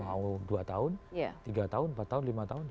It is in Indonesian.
mau dua tahun tiga tahun empat tahun lima tahun